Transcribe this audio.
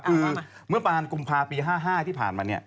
คือเมื่อมาลังกุมภาพี๕๕ที่ผ่านมาเนี่ย